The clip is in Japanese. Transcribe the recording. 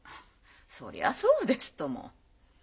そりゃそうですとも。